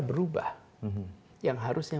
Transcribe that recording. berubah yang harusnya